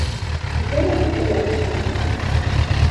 Ihero buko wangi nango?